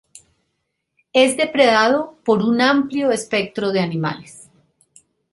Es depredado por un amplio espectro de animales.